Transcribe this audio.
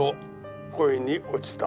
「恋に落ちた。